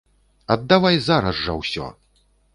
Аддавай зараз жа ўсё!